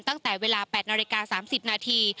ตั้งแต่เวลา๘นาฬิกา๓๐นาที